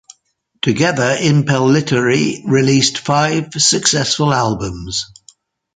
Together, Impellitteri released five successful albums.